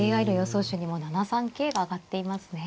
手にも７三桂が挙がっていますね。